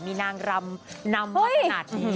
มีนางรำนำมาขนาดนี้